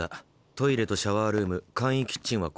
トイレとシャワールーム簡易キッチンはこっちだ。